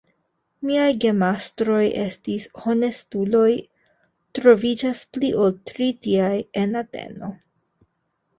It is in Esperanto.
Miaj gemastroj estis honestuloj; troviĝas pli ol tri tiaj en Ateno.